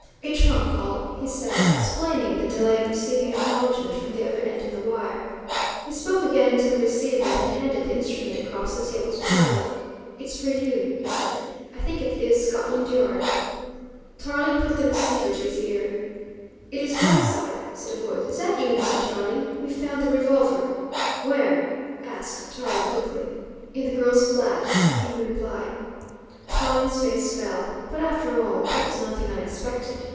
"A trunk call," he said, explaining the delay in receiving acknowledgment from the other end of the wire. He spoke again into the receiver and then handed the instrument across the table to Tarling. "It's for you," he said. "I think it is Scotland Yard." Tarling put the receiver to his ear. "It is Whiteside," said a voice. "Is that you, Mr. Tarling? We've found the revolver." "Where?" asked Tarling quickly. "In the girl's flat," came the reply. Tarling's face fell. But after all, that was nothing unexpected.